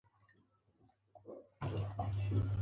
دواړو مشرانو خپله عقیده د مکتوب له لارې څرګنده کړې.